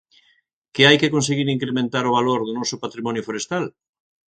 ¿Que hai que conseguir incrementar o valor do noso patrimonio forestal?